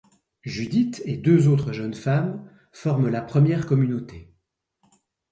Judith et deux autres jeunes femmes forment la première communauté.